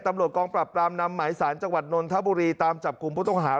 ตำรวจกองปรับปรามนำหมายสารจังหวัดนนทบุรีตามจับกลุ่มผู้ต้องหา